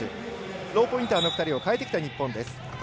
ローポインターの２人を代えてきた日本です。